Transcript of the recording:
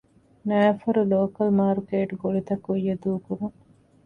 ނައިފަރު ލޯކަލް މާރުކޭޓް ގޮޅިތައް ކުއްޔަށް ދޫކުރުން